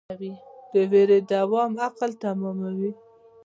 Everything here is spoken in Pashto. د ویرې دوام عقل ماتوي.